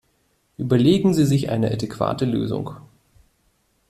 Überlegen Sie sich eine adäquate Lösung!